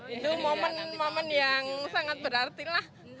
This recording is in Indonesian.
itu momen momen yang sangat berarti lah